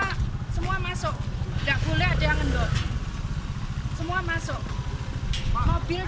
tidak boleh ada yang nge load semua masuk